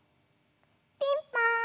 ピンポーン！